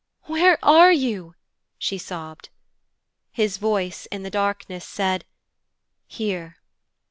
'Where are you?' she sobbed. His voice in the darkness said, 'Here.'